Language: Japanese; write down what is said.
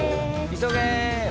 急げ。